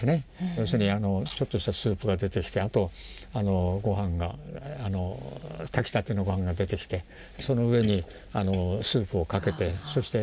要するにちょっとしたスープが出てきてあとご飯が炊きたてのご飯が出てきてその上にスープをかけてそして